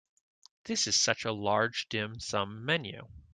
This is such a large dim sum menu.